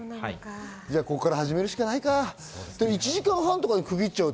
ここから始めるしかないかぁ。